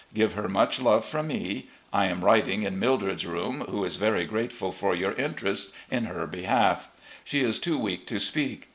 Give her much love from me. I am writing in Mildred's room, who is very grateful for your interest in her behalf. She is too weak to speak.